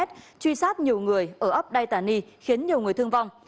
truy sát nhiều người ở ấp đài tà ni khiến nhiều người thương vong